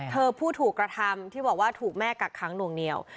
ผู้ถูกกระทำที่บอกว่าถูกแม่กักค้างหน่วงเหนียว